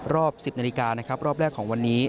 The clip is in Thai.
รอบ๑๐นาฬิการอบแรกของวันนี้